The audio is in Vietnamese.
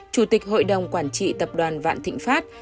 chủ tịch hội đồng quản trị tập đoàn vạn thịnh pháp